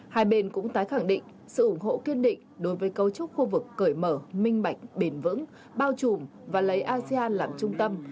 hai bên cũng tái khẳng định sự ủng hộ kiên định đối với cấu trúc khu vực cởi mở minh bạch bền vững bao trùm và lấy asean làm trung tâm